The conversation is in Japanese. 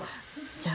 じゃあ